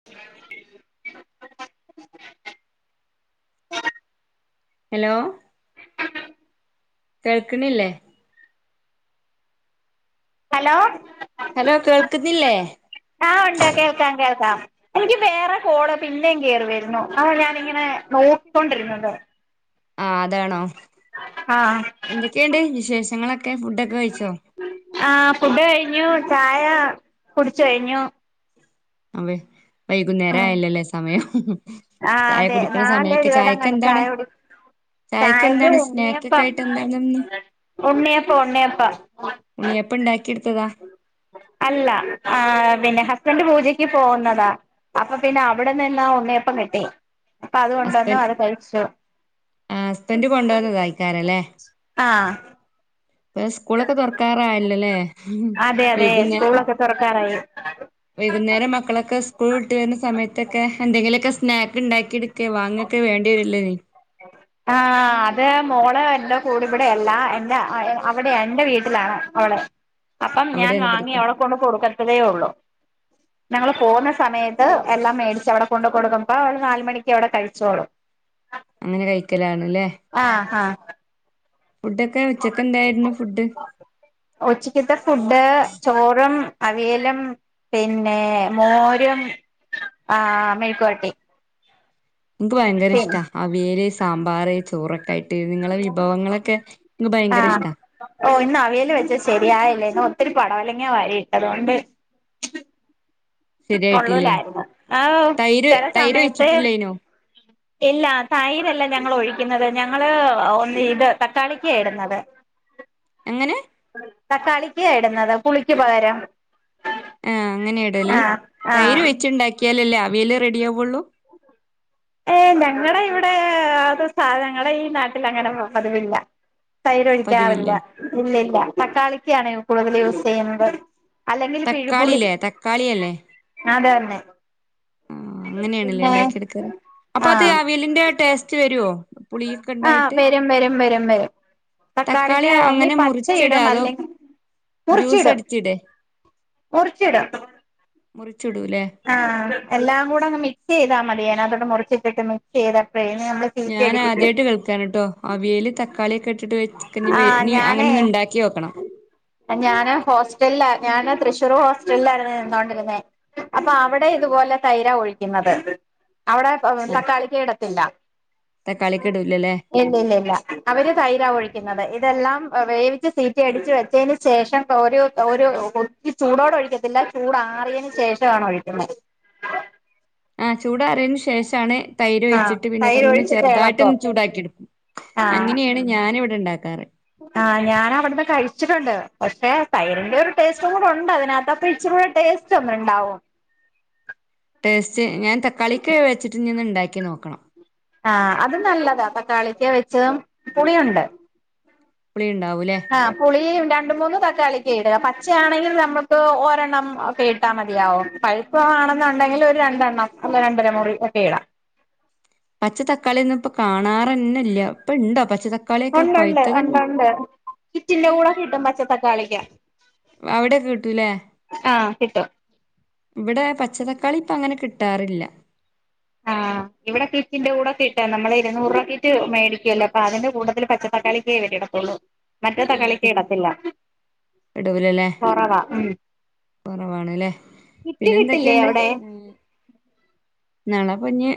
അ [unintelligible] hello കേൾക്കണില്ലേ hello hello കേൾക്കുന്നില്ലേ ആ ഉണ്ട് കേൾക്കാം കേൾക്കാം എനിക്ക് വേറെ കോള് പിന്നെം കേറിവരുന്നു ആ ഞാനിങ്ങനെ നോക്കിക്കൊണ്ടിരുന്നത് ആഹ് അതാണോ ആഹ് എന്തൊക്കെയുണ്ട് വിശേഷങ്ങളൊക്കെ ഫുഡൊക്കെ കഴിച്ചോ ആ ഫുഡ് കഴിഞ്ഞു ചായ കുടിച്ച് കഴിഞ്ഞു അവെ വൈകുന്നേരം ഉം ആയല്ലല്ലേ സമയം ആഹ് ചായ അതെ കുടിക്കണ നാല് സമയൊക്കെ ചായക്ക് ഇരുപതങ്ങാണ്ട് ചായ എന്താണ് കുടി ചായക്ക് എന്താണ് സ്നാക്ക് ഒക്കെ ഉണ്ണിയപ്പം ആയിട്ട് എന്താണ്ന്ന് ഉണ്ണിയപ്പം ഉണ്ണിയപ്പം ഉണ്ണിയപ്പം ഇണ്ടാക്കി എടുത്തതാ അല്ല ആ പിന്നെ ഹസ്ബൻഡ് പൂജക്ക് പോകുന്നതാ അപ്പൊ പിന്നെ അവിടന്ന് എല്ലാം ഉണ്ണിയപ്പം കിട്ടി അപ്പൊ അതുകൊണ്ടന്ന് അത് കഴിച്ചു ആ ഹസ്ബൻഡ് കൊണ്ടുവന്നത ആയിക്കാരല്ലേ ആഹ് ഇപ്പൊ സ്കൂളൊക്കെ തുറക്കാറായല്ലല്ലേ അതെ അതെ വൈകുന്നേരം സ്കൂളൊക്കെ തുറക്കാറായി വൈകുന്നേരം മക്കളൊക്കെ സ്കൂൾ വിട്ട് വരുന്ന സമയത്തൊക്കെ എന്തെങ്കിലു ഒക്കെ സ്നാക്ക് ഉണ്ടാക്കി എടു ക്കെ വന്നിട്ട് വേണ്ടി വരില്ലെ നീ ആ അത് മോള എല്ല കൂടി ഇവിടെയല്ല എൻ്റെ അ അവിടെ എന്റെ വീട്ടിലാണ് അവള് അപ്പം ഞാൻ അവിടെ ആണ് വാങ്ങി പഠിക്ക അവടെ കൊണ്ട് കൊടുക്കത്തതേ ഉള്ളു ഞങ്ങള് പോകുന്ന സമയത്ത് എല്ലാം മേടിച്ച് അവിടെ കൊണ്ട് കൊടുക്കുമ്പ ഒരു നാല് മണിക്ക് അവിടെ കഴിച്ചോളും അങ്ങനെ കഴിക്കലാണ് ല്ലേ ആഹ് ഹാ ഫുഡൊക്കെ ഉച്ചക്ക് എന്തായിരുന്നു ഫുഡ് ഉച്ചക്ക്ത്തെ ഫുഡ് ചോറും അവിയലും പിന്നെ മോരും ആ മെഴുക്കുവരട്ടി ഇൻക്ക് ഭയങ്കര പിൻ ഇഷ്ട അവിയല് സാമ്പാർ ചോറൊ ക്കായിട്ട് നിങ്ങളെ വിഭവങ്ങളൊക്കെ നിക്ക് ഭയങ്കര ഇഷ്ടാ ഓഹ് ഇന്ന് അവിയൽ വെച്ച ശരിയായില്ല ഇന്ന് ഒത്തിരി പടവലങ്ങ വാരിയിട്ടത് കൊണ്ട് ശരിയായിട്ടില്ലേ കൊള്ളൂലായിരുന്നു ആ തൈര് ചെല തൈര് സമയത്ത് ഒഴിച്ചിട്ടില്ലേനോ ഇല്ല തൈര് അല്ല ഞങ്ങൾ ഒഴിക്കുന്നത് ഞങ്ങള് ഒന്ന് ഇത് തക്കാളിക്ക ഇടുന്നത് എങ്ങനെ തക്കാളിക്ക ഇടുന്നത് പുളിക്ക് പകരം ആ അങ്ങനെ ഇടല് ആഹ് തൈര് ആഹ് വെച്ച് ഇണ്ടാക്കിയാലല്ലേ അവിയൽ റെഡി ആവുള്ളൂ ഏഹ് ഞങ്ങടെ ഇവടെ അത് സാധനങ്ങൾ ഈ നാട്ടിൽ അങ്ങനെ പതിവില്ല തൈര് ഒഴിക്കാറില്ല പതിവില്ലേ ഇല്ല ഇല്ല തക്കാളിക്ക്യാണ് കൂടുതൽ യൂസ് ചെയ്യുന്നത് അല്ലെങ്കിൽ പിഴുപുളി തക്കാളില്ലേ തക്കാളിയല്ലേ അതന്നെ ആ അങ്ങനേണ്ല്ലേ ഇണ്ടാക്കി എടുക്കാറ് അപ്പൊ അത് ആഹ് അവിയലിന്റെ ടേസ്റ്റ് വരുവോ പുളിയൊക്കെ ആഹ് ഉണ്ടായിട്ട് വരും വരും വരും വരും തക്കാളി തക്കാളിക്ക ഒന്നി അങ്ങനെ മുറിച്ചിട പച്ചയിടും അതോ അല്ലെങ്കിൽ ജ്യൂസ് മുറിച്ചിടും അടിച്ചിടേ മുറിച്ചിടും മുറിച്ചിടുല്ലേ. ആഹ് എല്ലാം കൂടെ അങ്ങ് മിക്സ് ചെയ്താ മതി അതിനകത്തോട്ട് മുറിച്ചിട്ടിട്ട് മിക്സ് ചെയ്തപ്പഴേ നമ്മള് സീറ്റി ഞാന് അടിപ്പിക്കും ആദ്യായിട്ട് കേൾക്കാണ് ട്ടോ അവിയൽ തക്കാളി ഒക്കെ ഇട്ടിട്ട് വെക്ക ആഹ് ഇനി അങ്ങനെ ഞാനേ ഒന്ന് ഇണ്ടാക്കി നോക്കണം ഞാന് ഹോസ്റ്റലില ഞാന് തൃശ്ശൂർ ഹോസ്റ്റലിലായിരുന്നു നിന്നോണ്ടിരുന്നേ അപ്പൊ അവടെ ഇതുപോലെ തൈര ഒഴിക്കുന്നത് അവടെ ആ തക്കാളിക്ക ഇടത്തില്ല തക്കാളിയൊക്കെ ഇടൂലല്ലേ ഇല്ല ഇല്ല ഇല്ല അവര് തൈരാ ഒഴിക്കുന്നത് ഇതെല്ലാം വേവിച്ച് സീറ്റി അടിച്ച് വെച്ചതിന് ശേഷം തോരു തോരു കൊത്തി ചൂടോട ഒഴിക്കത്തില്ല ചൂടാറിയന് ശേഷാണ് ഒഴിക്കുന്നത് ആഹ് ചൂടാറിയേന് ശേഷാണ് ആഹ് തൈരൊഴിച്ചിട്ട് പിന്നെ തൈര് അതൊന്ന് ഒഴിച്ചിട്ട് ഇളക്കും ചെറുതായിട്ടൊന്ന് ചൂടാക്കി എടുക്കും. ആഹ് അങ്ങനെയാണ് ഞാനിവിടെ ഇണ്ടാക്കാറ്. ആഹ് ഞാനവടന്ന് കഴിച്ചിട്ടുണ്ട്. പക്ഷെ തൈരിന്റെ ഒരു ടേസ്റ്റും കൂടെ ഒണ്ട് അതിനകത്തപ്പ ഇച്ചിരി കൂടെ ടേസ്റ്റ് സ്റ്റോന്ന്ണ്ടാവോ ടേസ്റ്റ് ഞാൻ തക്കാളിക്ക വെച്ചിട്ട് ഇനിയൊന്ന് ഉണ്ടാക്കി നോക്കണം. ആഹ്, അത് നല്ലതാ തക്കാളിക്ക വെച്ചതും പുളിയുണ്ട്. പുളിയുണ്ടാവൂല്ലെ? ആഹ്, പുളീ രണ്ട് മൂന്ന് തക്കാളിക്കയിട്. പച്ചയാണെങ്കിൽ നമക്ക് ഒരെണ്ണം ഒക്കെ ഇ ട്ടാ മതിയാവും. പഴുപ്പ ആണെന്നുണ്ടെങ്കിൽ ഒരു രണ്ടെണ്ണം അല്ലെങ്കി രണ്ടര മുറി ഒക്കെ ഇടാം. പച്ച തക്കാളിയൊന്നും ഇപ്പ കാണാറന്നില്ല. ഇപ്പ ഇണ്ടോ പച്ച തക്കാളി? ഒണ്ടൊണ്ട് ഒണ്ടൊണ്ട്. ഈ ചില്ലുകൂല കിട്ടും പച്ച തക്കാളിക്ക. അവിടെക്കേ കിട്ടൂലേ കിട്ടും ഇവിടെ പച്ചതക്കാളി ഇപ്പങ്ങനെ കിട്ടാറില്ല. ആഹ് [inaudible] ഇവിടെ കിറ്റിന്റെ കൂടെ കിട്ടാ നമ്മള് ഇരുന്നൂറ് രൂപ കിറ്റ് മേിക്കുവല്ലോ. അപ്പ അതിന്റെ കൂട്ടത്തില് പച്ച തക്കളിയൊക്കെ കിട്ടത്തൊള്ളൂ. മറ്റേ ആ തക്കാളിക്ക കി ഇടത്തില്ല. കൊറവാ കൊറവാണ്ല്ലേ? കിറ്റ് പിന്നെ കിട്ടില്ലേ എന്തൊക്കെയ്ണ്ട് അവിടെ നാളപ്പെ ഇനി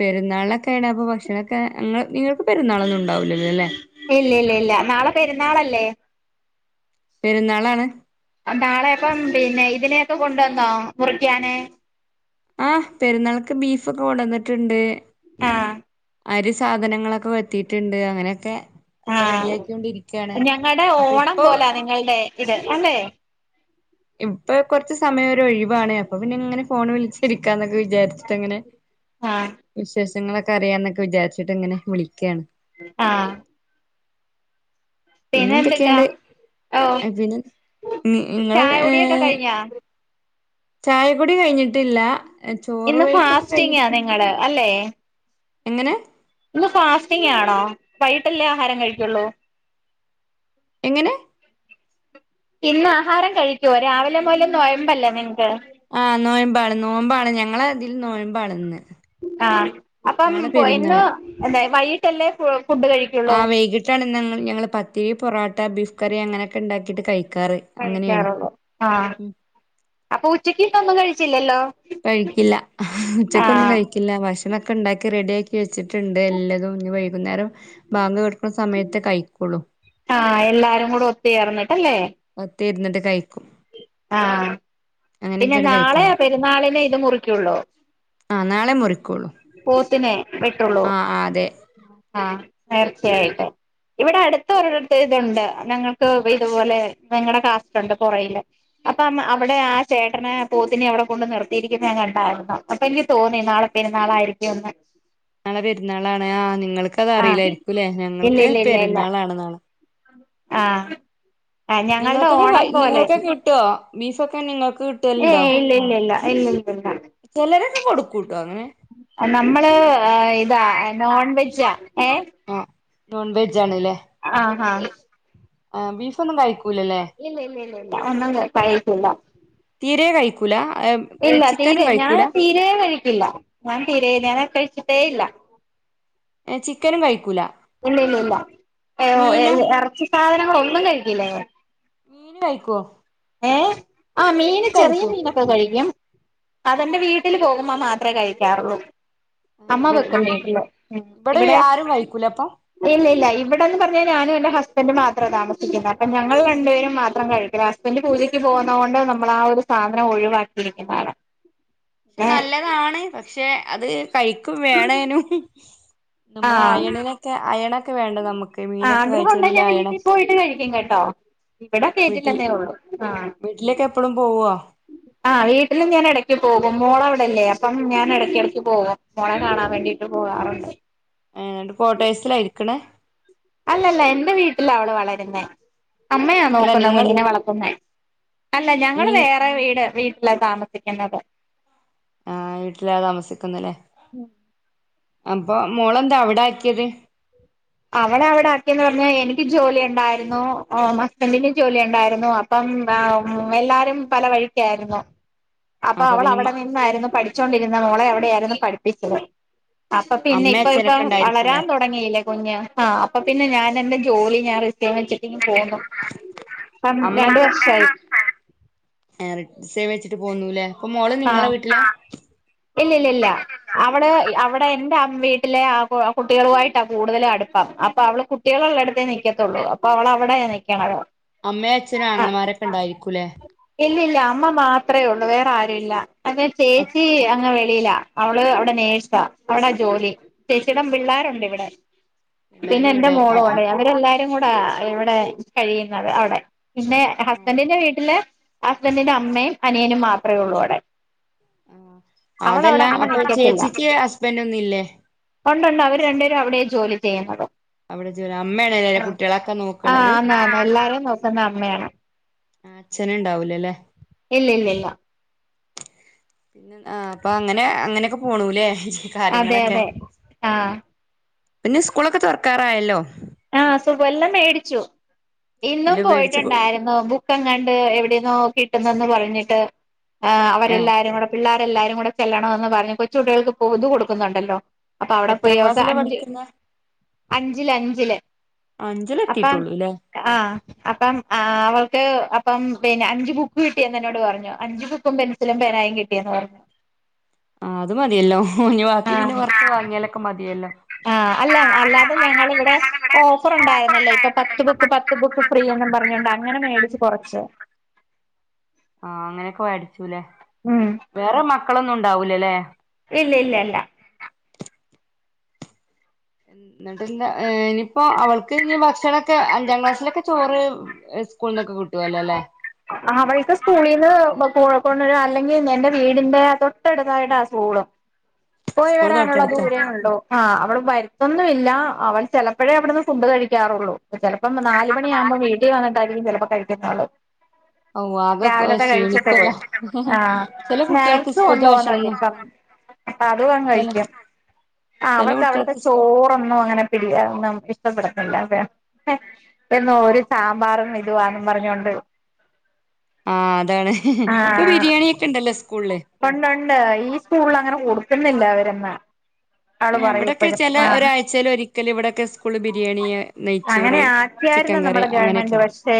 പെരുന്നാളക്കെ കഴിഞ്ഞാ അപ്പോ ഭക്ഷണൊക്കെ നിങ്ങ നിങ്ങൾക്ക് പെുന്നാളന്നും ഉണ്ടാവില്ലല്ലോ അല്ലേ. ഇല്ല ഇല്ല ഇല്ല. നാളെ പെരുന്നാളല്ലേ? പെരുന്നാളാണ്. നാളെ അപ്പം പിന്നെ ഇതിനെയൊക്കെ കൊണ്ടുവന്നോ മുറിക്കാന്? ആഹ് പെരുന്നാൾക്ക് ബീഫൊക്കെ കൊണ്ടന്നിട്ട്ണ്ട്. ആഹ് അരി സാധനങ്ങളൊക്കെ വരുത്തിയിട്ടുണ്ട്. അങ്ങനെയൊക്കെ ആഹ്, റെഡിയാക്കിക്കൊണ്ടിരിക്കയാണ് ഞങ്ങൾടെ അപ്പൊ ഓണം ഇപ്പൊ പോലാ നിങ്ങൾടെ ഇത് അല്ലേ? ഇപ്പെ കൊറച്ച് സമയം ഒരു ഒഴിവാണ് അപ്പൊ പിന്നെ ഇങ്ങനെ ഫോണ് വിളിച്ചിരിക്കാന്നൊക്കെ വിചാരിട്ടിങ്ങനെ [inaudible] ആഹ് വിശേഷങ്ങളൊക്കെ അറിയാന്നൊക്കെ വിചാരിച്ചിട്ടിങ്ങനെ വിളിക്കാണ്. ആഹ് പിന്നെ പിന്നെന്ത്‌ട്ടാ? എന്തൊക്കെയുണ്ട് ഓഹ് പിന്നെ നിങ്ങള് ചായ കുടിയക്കെ കഴിഞ്ഞാ? ചായകുടി കഴിഞ്ഞിട്ടില്ല, ചോറ് വെയ്പക്കെ കഴിഞ്ഞിട്ടി ങ്ങടെ അല്ലെ? എങ്ങനെ? ഇന്ന് ഫാസ്റ്റിങ് ആണോ, വൈകിട്ടല്ലേ ആഹാരം കഴിക്കുള്ളൂ? എങ്ങനെ? ഇന്ന് ആഹാരം കഴിക്കോ? രാവിലെ മൊതല് നൊയ്മ്പല്ലെ നിങ്ങക്ക്? ആഹ് നൊയമ്പാണ് നോമ്പാണ് ഞങ്ങളതില് നൊയമ്പാണിന്ന്. ആഹ് അപ്പം പൊ ഇന്ന് എന്ത വൈകിട്ടല്ലേ ഫുഡ് കഴിക്കൊ ആഹ് വൈകിട്ടാണ് ഞങ്ങള് ഞങ്ങള് പത്തിരി, പൊറോട്ട, ബീഫ് കറി അങ്ങനക്കെണ്ടാക്കിട്ട് കഴിക്കാറ്. അങ്ങനെയാണ് കഴിക്കാറൊള്ളൂ. ആഹ് ഉം അപ്പൊ ഉച്ചക്ക് ശേഷം ഒന്നും കഴിച്ചില്ലല്ലോ? കഴിക്കില്ല. ഉച്ചക്കൊന്നും ആഹ് കഴിക്കില്ല ഭക്ഷണൊക്കെണ്ടാക്കി റെഡി ആക്കി വച്ചി ടെണ്ട് എല്ലതും. ഇനി വൈകുന്നേരം ബാങ്കൊട്ക്കുന്ന സമയത്ത് കഴിക്കൊള്ളൂ. ആഹ് എല്ലാരും കൂടെ ഒത്തുചേർന്നിട്ടല്ലേ? ഒത്തെരുന്നിട്ട് കഴിക്കും. ആഹ്. പിന്നെ അങ്ങനെയൊക്കെയാണ് കഴിക്കാറ് നാളെയാ പെരുന്നാളിനെ ഇത് മുറിക്ക്യൊള്ളോ. ആഹ് നാളെ മുറിക്കുള്ളൂ പോത്തിനെ വെ ആഹ് ആഹ് അതെ. ആഹ് നേർച്ചയായിട്ട്. ഇവിടെ അടുത്ത ഒരുടത്ത് ഇതുണ്ട് ഞങ്ങൾക്ക് ഇതുപോലെ നിങ്ങടെ കാസ്റ്റ്ണ്ട് പുറകില്. അപ്പം അവിടെ ആ ചേട്ടന് പോത്തിനി അവിടെ കൊണ്ട് നിർത്തിയിരിക്കുന്നെ ഞാൻ കണ്ടായിരുന്നു. അപ്പൊ എനിക്ക് തോന്നി നാളെ പെരുന്നാളായിരിക്ക്യൂന്ന്. നാളെ പെന്നാളാണ് ആഹ് നിങ്ങൾക്ക് അത് ആഹ് അറില്ലായിരിക്കുംല്ലേ ഇല്ല ഞങ്ങൾക്ക് ഇല്ല ഇല്ല ഇല്ല പെരുന്നാളാണ് നാളെ. ആഹ് ഏഹ് ഞങ്ങൾടെ ഓണം പോലെ. ട്ടോ ബീഫൊക്കെ നിങ്ങൾക്ക് കി ഏയ് ഇല്ല ഇല്ല ഇല്ല ഇല്ലില്ലില്ല. ചെലരൊക്കെ കൊടുക്കൂട്ടോ അങ്ങനെ. നമ്മള് ഇതാ നോൺ വെജാ. ഏഹ്? ആഹ് നോൺ വെജ്ജ് ആണ്ല്ലേ. ആഹ് ഹാ. ഏഹ് ബീഫൊന്നും കഴിക്കൂല ലേ? ഇല്ല ഇല്ല ഇല്ല ഇല്ല ഒന്നും കഴിക്കൂല്ല. തീരെ കഴിക്കൂലാ? അഹ് ഇല്ല. തീരെ ഞാൻ തീരേ കഴിക്കില്ല ഞാൻ തീരെ ഞാനത് കഴിച്ചിട്ടേ ഇല്ല. ഏഹ് ചിക്കനും കഴിക്കൂല? ഇല്ല ഇല്ല ഇല്ല. [unintelligible] മീനോ ഏഹ് ഇറച്ചി സാധനങ്ങള് ഒന്നും കഴിക്കില്ല ഞങ്ങള്. മീന് കയിക്കൊ? ഏഹ്? ആഹ് മീന് ചെറിയ മീനൊക്കെ കഴിക്കും. അതെന്റെ വീട്ടിൽ പോകുമ്പോ മാത്രേ കഴിക്കാറുള്ളൂ. അമ്മ വെക്കും വീട്ടില്. ഉം ഇവിടെ ട്ടും കയിക്കൂലെ അപ്പം? ഇല്ലില്ലാ. ഇവിടെന്ന് പറഞ്ഞാ ഞാനും എന്റെ ഹസ്ബന്ഡും മാത്രാ താമസിക്ക്ന്നെ. അപ്പം ഞങൾ രണ്ടുപേരും മാത്രം കഴിക്കില്ല. ഹസ് ബെൻഡ് പൂജക്ക് പോകുന്നോണ്ട് നമ്മള് ആ ഒരു സാധനം ഒഴിവാക്കിയിരിക്കുന്നാണ്. പക്ഷെ നല്ലതാണ് പക്ഷെ അത് കഴി ക്കും വേണേനും നമ്മൾ ആഹ് അയേണിനൊക്കെ അയേണൊക്കെ വേണ്ടേ നമു ആഹ് ആഗ്രഹുണ്ടെ ഞാൻ വീട്ടി പോയിട്ട് കഴിക്കും കേട്ടോ. ഇവിടെ വീട്ടിൽ കേറ്റില്ലെന്നേ ഉള്ളു ആഹ്. വീട്ടിലേക്ക് എപ്പഴും പോവോ ആഹ് വീട്ടിലും ഞാൻ എടക്ക് പോകും മോള് അവിടല്ലേ അപ്പം ഞാൻ എടയ്ക്കിടക്ക് പോവും. മോളെ കാണാൻ വേണ്ടീട്ട് പോകാറുണ്ട്. ഏഹ് ന്നട്ട് കോട്ടേഴ്സിലാ ഇരിക്ക്ണെ? അല്ലല്ല എന്റെ വീട്ടിലാ അവൾ വളരുന്നേ. അമ്മയാ അല്ല നോക്കുന്നെ നിങ്ങള് കുഞ്ഞിനെ വളർത്തുന്നെ. അല്ല ഞങ്ങള് ഇനി വേറെ വീട് വീട്ടിലാ താമസിക്കുന്നത്. ആഹ് വീട്ടിലാ താമസിക്കുന്നെ ല്ലേ. അപ്പം മോളെന്താ അവിടാക്കിയത്? അവളെ അവിടെ ആക്കിയേന്ന് പറഞ്ഞാ എനിക്ക് ജോലി ഉണ്ടായിരുന്നു ഓഹ് ഹസ്ബൻന്റിന് ജോലി ഉണ്ടായിരുന്നു. അപ്പം ആഹ് എല്ലാരും പല വഴിക്കായിരുന്നു. അപ്പൊ അവളവിടെ നിന്നായിരുന്നു പഠിച്ചോണ്ടിരുന്നെ. മോളെ അവിടെയായിരുന്നു പഠിപ്പിച്ചത്. അപ്പൊ പിന്നെ അമ്മേ ഇപ്പൊ ഇപ്പം അച്ഛനൊക്കെ വളരാൻ ഉണ്ടായിരിക്കൂല്ലേ തു ടങ്ങിയില്ലേ കുഞ്ഞ്. ഹാ അപ്പൊ പിന്നെ ഞാൻ എന്റെ ജോലി ഞാൻ റി [unintelligible] വച്ചിട്ടിങ്ങ് പോന്നു ഇപ്പം രണ്ടു അമ്മക്കെ വർഷായി. [unintelligible] വെച്ചിട്ട് പോന്നൂല്ലേ അപ്പൊ മോള് നിങ്ങളെ വീട്ടിലാ ആഹ് ഇല്ലില്ല ഇല്ല അവള് അവിടെ എന്റെ വീട്ടിലെ ആഹ് കുട്ടികളുവായിട്ടാ കൂടുതല് അടുപ്പം അപ്പൊ അവള് കുട്ടികളുള്ളടുത്തേ നിക്കത്തുള്ളൂ അപ്പോ അവള് അവിടെയാ നിക്കണത് അമ്മയും അച്ഛനും ആങ്ങളമാരൊക്കെ ഉണ്ടായിരിക്കൂല്ലേ ഇല്ല ഇല്ല അമ്മ മാത്രേ ഉള്ളൂ വേറെ ആരും ഇല്ല മറ്റേ ചേച്ചി അങ്ങ് വെളിയിലാ അവള് അവിടെ നേഴ്സാ അവിടാ ജോലി ചേച്ചിടെ പിള്ളേരുണ്ട് ഇവിടെ പിന്നെ എല്ലാരും എന്റെ ഇവിടെ മോളും ആഹ് അവിടെയാ അവരെല്ലാരും കൂടാ ഇവിടെ കഴിയുന്നത് അവിടെ പിന്നെ ഹസ്ബന്റിന്റെ വീട്ടില് ഹസ്ബന്റിന്റെ അമ്മയും അനിയനും മാത്രമേ ഉള്ളൂ അവിടെ അതല്ല അവളവിടെ അങ്ങനെ അപ്പൊ ചേച്ചിക്ക് ഹസ്ബന്റൊന്നും ഇല്ലേ ഉണ്ട് ഉണ്ട് അവര് രണ്ടു പേരും അവിടെയാ ജോലി ചെയ്യുന്നത് അവിടെ ജോലി അമ്മയാണല്ലെ കുട്ടികളൊക്കെ നോക്കണത് ആഹ് എല്ലാരേയും നോക്കുന്നത് അമ്മയാണ് ആഹ് അച്ഛന് ഉണ്ടാവൂലല്ലെ ഇല്ല ഇല്ല ഇല്ല ആഹ് അപ്പൊ അങ്ങനെ അങ്ങനെയൊക്കെ പോണൂലേ അതെ കാര്യങ്ങളൊക്കെ അതെ ആഹ് പിന്നെ സ്കൂളൊക്കെ തുറക്കാറായല്ലോ ആഹ് [unintelligible] മേടിച്ചു ഇന്നും എല്ലാം മേടിച്ച് കൊ പോയിട്ടുണ്ടായിര നോട്ട്ബുക്ക് എങ്ങാണ്ട് എവിടെന്നോ നോക്കിട്ടെന്ന് പറഞ്ഞിട്ട് ആഹ് ഏഹ് അവരെല്ലാരും കൂടെ പിള്ളേരെല്ലാരും കൂടെ ചെല്ലണെന്ന് പറഞ്ഞ് കൊച്ചു കുട്ടികൾക്ക് പൊതു കൊടുക്കുന്നുണ്ടല്ലോ അപ്പൊ അവിടെ പോയി എത്രാം അവൾക്ക് ക്ലാസ്സിലാ അഞ്ച് പഠിക്കുന്നെ അഞ്ചില് അഞ്ചില് അഞ്ചിലെത്തിട്ടേ അപ്പം ഉള്ളൂ ല്ലേ ആഹ് അപ്പം ആഹ് അവൾക്ക് അപ്പം പിന്നെ അഞ്ചു ബുക്ക് കിട്ടിയെന്ന് എന്നോട് പറഞ്ഞു അഞ്ചു ബുക്കും പെൻ സിലും പേനായും കിട്ടിയെന്ന് പറഞ്ഞു ആഹ് അത് മതിയല്ലോ ബാക്കി പിന്നെ ആഹ് പുറത്ത് വാങ്ങിയാലൊക്കെ മതിയല്ലോ ആഹ് അല്ല അല്ലാതെ ഞങ്ങള് ഇവിടെ ഓഫർ ഉണ്ടായിരുന്നല്ലോ ഇപ്പൊ പത്ത് ബുക്ക് പത്ത് ബുക്ക് ഫ്രീ എന്നും പറഞ്ഞൊണ്ട് അങ്ങനെ മേടിച്ചു കൊറച്ച് ആഹ് അങ്ങനെയൊക്കെ മേടിച്ചുല്ലേ ഉം വേറെ മക്കളൊന്നും ഉണ്ടാവൂലല്ലേ ഇല്ല ഇല്ല അല്ല എന്നിട്ട് എന്താ ഏഹ് ഇനിയിപ്പോ അവൾക്ക് ഇനി ഭക്ഷണൊക്കെ അഞ്ചാം ക്ലാസ്സിലൊക്കെ ചോറ് സ്കൂളിൽന്നൊക്കെ കിട്ടുവല്ലോല്ലേ അവളുടെ സ്കൂളീന്ന് [unintelligible] കൊണ്ട് വരും അല്ലെങ്കിൽ എന്റെ വീടിന്റെ തൊട്ടടുത്തായിട്ടാ സ്കൂളും പോയി സ്കൂൾ വരാനുള്ള തൊട്ടടുത്താ ദൂരേ ഉളളു ആഹ് അവള് വരുത്തൊന്നും ഇല്ല അവൾ ചിലപ്പോഴേ അവിടുന്ന് ഫുഡ് കഴിക്കാറുള്ളൂ ചിലപ്പം നാല് ചിലപ്പം മണിയാകുമ്പോ വീട്ടിൽ വന്നിട്ടായിരിക്കും ചിലപ്പോ കഴിക്കത്തോള്ളൂ [inaudible] ഓ അതൊക്കെ ശീലിച്ചല്ലേ പോയി ആ ചില കുട്ടികൾക്ക് സ്നാക്സ് സ്കൂളിലെ ഭക്ഷണം കൊണ്ടുപോകുന്നുണ്ട് ഒന്നും [inaudible] ഇപ്പം [unintelligible] കഴിക്കും ആഹ് ചില അവൾക്ക് അവിടുത്തെ കുട്ടികൾക്ക് ചോ ചോറൊന്നും അങ്ങനെ [unintelligible] അവൾക്ക് ഇഷ്ടപ്പെടത്തില്ല [unintelligible] ഇന്ന് ഒരു സാമ്പാറും ഇതു ആണെന്നും പറഞ്ഞൊണ്ട് ആഹ് അതാണ് ഇപ്പൊ ബിരിയാണി ഒക്കെ ഉണ്ടല്ലോ സ്കൂളില് ഉണ്ട് ഉണ്ട് ഈ സ്കൂളിൽ അങ്ങനെ കൊടുക്കുന്നില്ല അവരെന്നാ ഇവിടൊക്കെ ചില ഒരാഴ്ചയില് ഒരിക്കല് ഇവിടൊക്കെ സ്കൂളിൽ ബിരിയാണിയ് നെയ്ച്ചോറ് ക്കെ ആയിരുന്നു ചിക്കൻ കറി നമ്മടെ അങ്ങനെയൊക്കെ ഗവൺമെന്റ് ഉണ്ട് പക്ഷേ പക്ഷേ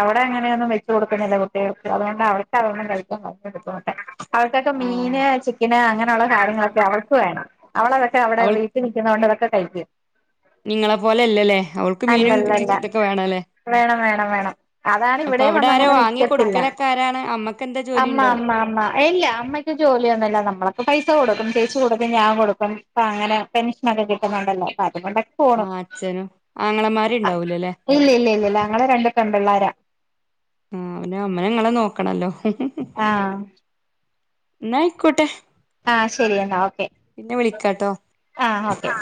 അവിടെ അങ്ങനെയൊന്നും വെച്ച് കൊടുക്കുന്നില്ല കുട്ടികൾക്ക് അതുകൊണ്ട് അവർക്ക് അതൊന്നും കഴിക്കാൻ ഭയങ്കര ബുദ്ധിമുട്ടാ അവൾക്കൊക്കെ ആ മീന് ചിക്കന് അങ്ങനെയുള്ള കാര്യങ്ങളൊക്കെ അവൾക്ക് വേണം അവളതൊക്കെ അവടെ അവൾ വീ ട്ടിൽ നിക്കുന്ന കൊണ്ട് അതൊക്കെ കഴിക്കും നിങ്ങളെ പോലെ അല്ലല്ലേ അവൾക്ക് മീനും ചിക്ക അല്ലല്ലല്ല ഇതൊക്കെ വേണം അല്ലേ വേണം വേണം വേണം അതാണ് ഇവിടെയും അവിടെ വന്ന് ആരോ അങ്ങനെ വാങ്ങി നിക്കത്തില്ല കൊടുക്കലൊക്കെ ആരാണ് അമ്മക്ക് എന്താ ജോലി അമ്മ ഉണ്ടോ അമ്മ അ മ്മ ഇല്ല അമ്മക്ക് ജോലിയൊന്നും ഇല്ല നമ്മളൊക്കെ പൈസ കൊടുക്കും ചേച്ചി കൊടുക്കും ഞാൻ കൊടുക്കും അപ്പ അങ്ങനെ പെൻഷനൊക്കെ കിട്ടുന്നുണ്ടല്ലോ അപ്പൊ അതുകൊണ്ടെ ആഹ് അച്ഛനും ആങ്ങളമാരും ഉണ്ടാവൂല്ലല്ലേ ഇല്ല ഇല്ല ഇല്ല ഇല്ല ഞങ്ങള് രണ്ട് പെൺ പിള്ളാരാ ആഹ് അപ്പോ പിന്നെ അമ്മേനെ നിങ്ങള് നോക്കണോല്ലോ ആഹ് എന്നാ ആയിക്കോട്ടെ ആഹ് ശരിയെന്നാ ഓക്കെ പിന്നെ വിളിക്കാട്ടോ ആഹ് ഓക്കെ